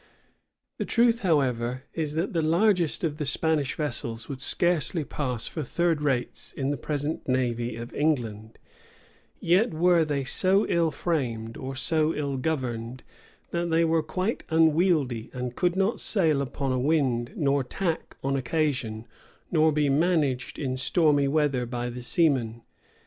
[] The truth, however, is, that the largest of the Spanish vessels would scarcely pass for third rates in the present navy of England; yet were they so ill framed, or so ill governed, that they were quite unwieldy, and could not sail upon a wind, nor tack on occasion, nor be managed in stormy weather by the seamen.